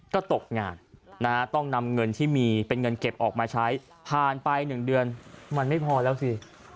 ก็ตกงานน้ำเงินถึงเก็บโอกมาใช้ผ่านไปหนึ่งเดือนมันไม่พอแล้วซิ